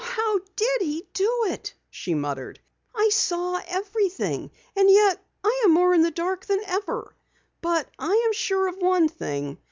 "Now how did he do it?" she muttered. "I saw everything and yet I am more in the dark than ever. But I am sure of one thing.